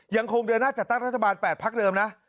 ยังคงเดินหน้าจัดตั้งรัฐบาล๘พักเดิมนะ